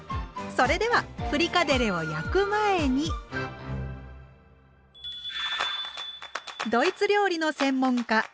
それではフリカデレを焼く前にドイツ料理の専門家